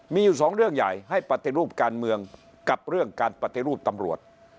มีอยู่สองเรื่องใหญ่ให้ปฏิรูปการเมืองกับเรื่องการปฏิรูปตำรวจ